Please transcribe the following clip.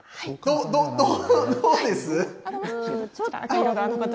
どうです。